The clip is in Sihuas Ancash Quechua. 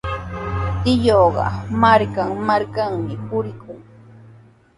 Tiyuuqa markan-markanmi purikun.